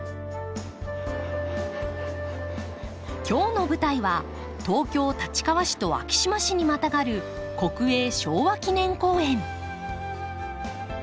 今日の舞台は東京立川市と昭島市にまたがる国営昭和記念公園。